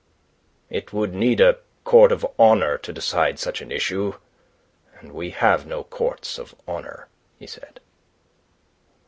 "It would need a court of honour to decide such an issue. And we have no courts of honour," he said.